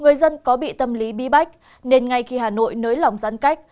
người dân có bị tâm lý bí bách nên ngay khi hà nội nới lỏng giãn cách